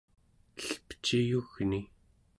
elpeci yugni